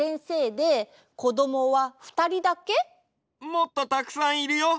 もっとたくさんいるよ。